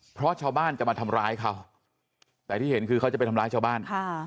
เพราะชาวบ้านจะมาทำร้ายเขาแต่ที่เห็นคือเขาจะไปทำร้ายชาวบ้านค่ะ